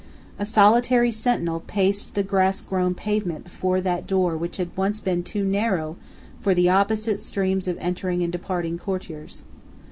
A solitary sentinel paced the grassgrown pavement before that door which had once been too narrow for the opposite streams of entering and departing courtiers.